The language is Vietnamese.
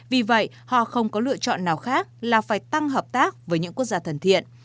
vì vậy họ không có lựa chọn nào khác là phải tăng hợp tác với những quốc gia thần thiện